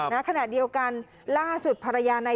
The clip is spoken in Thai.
ในขณะเดียวกันล่าสุดภรรยาในเทพภิทักษ์เนี่ย